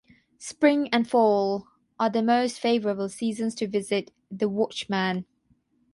Spring and fall are the most favorable seasons to visit The Watchman.